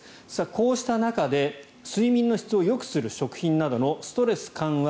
こうした中で睡眠の質をよくする食品などのストレス緩和